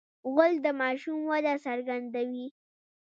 غول د ماشوم وده څرګندوي.